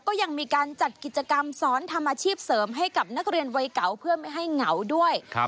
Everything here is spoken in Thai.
ก็ยังมีการจัดกิจกรรมสอนทำอาชีพเสริมให้กับนักเรียนวัยเก่าเพื่อไม่ให้เหงาด้วย